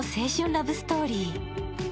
ラブストーリー。